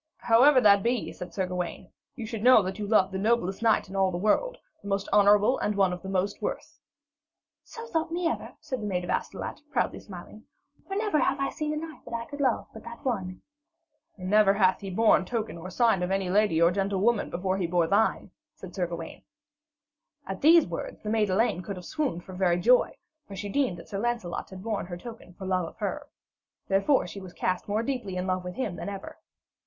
'How ever that be,' said Sir Gawaine, 'you should know that you love the noblest knight in all the world, the most honourable and one of the most worth.' 'So thought me ever,' said the maid of Astolat, proudly smiling; 'for never have I seen a knight that I could love but that one.' 'And never hath he borne token or sign of any lady or gentlewoman before he bore thine,' said Sir Gawaine. At these words the maid Elaine could have swooned for very joy, for she deemed that Sir Lancelot had borne her token for love of her. Therefore, she was cast more deeply in love with him than ever.